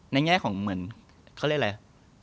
ในแง่ของเขาเรียกอะไร